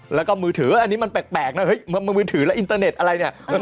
แล้วก็มือถืออันนี้มันแปลกนะเฮ้ยมือถือและอินเตอร์เน็ตอะไรเนี่ย